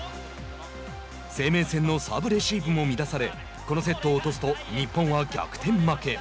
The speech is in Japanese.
生命線のサーブレシーブも乱されこのセットを落とすと日本は逆転負け。